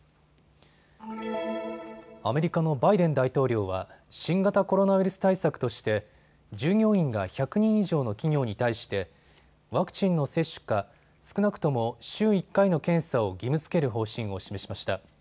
アメリカのバイデン大統領は新型コロナウイルス対策として従業員が１００人以上の企業に対してワクチンの接種か、少なくとも週１回の検査を義務づける方針を示しました。